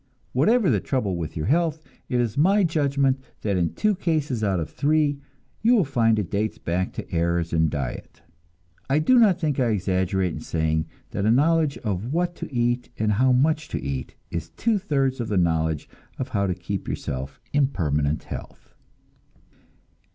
Whatever the trouble with your health, it is my judgment that in two cases out of three you will find it dates back to errors in diet. I do not think I exaggerate in saying that a knowledge of what to eat and how much to eat is two thirds of the knowledge of how to keep yourself in permanent health.